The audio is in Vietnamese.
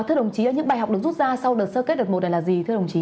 thưa đồng chí những bài học được rút ra sau đợt sơ kết đợt một này là gì